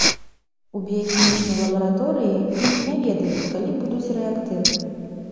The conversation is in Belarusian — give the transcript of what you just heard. У біяхімічнай лабараторыі не ведаюць, калі будуць рэактывы.